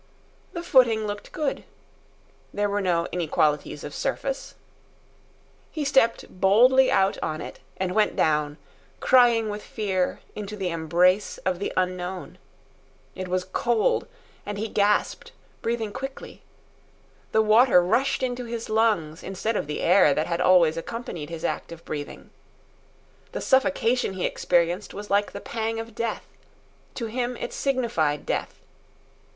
The footing looked good. There were no inequalities of surface. He stepped boldly out on it; and went down, crying with fear, into the embrace of the unknown. It was cold, and he gasped, breathing quickly. The water rushed into his lungs instead of the air that had always accompanied his act of breathing. The suffocation he experienced was like the pang of death. To him it signified death.